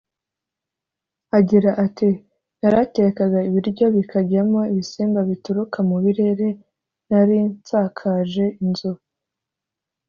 Agira ati “ Naratekaga ibiryo bikajyamo ibisimba bituruka mu birere nari nsakaje inzu